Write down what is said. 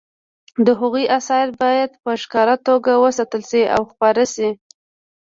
د هغوی اثار باید په ښه توګه وساتل شي او خپاره شي